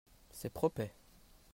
C'est propret.